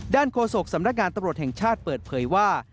โฆษกสำนักงานตำรวจแห่งชาติเปิดเผยว่า